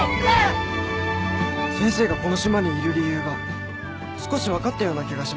先生がこの島にいる理由が少し分かったような気がします。